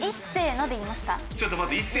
ちょっと待って。